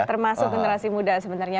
termasuk generasi muda sebenarnya